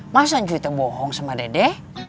masa cuy tuh bohong sama dede